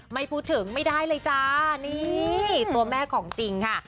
ไม่พูดถึงไม่ได้เลยจ้านี่ตัวแม่ของจริงค่ะ